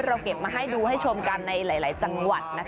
เราเก็บมาให้ดูให้ชมกันในหลายจังหวัด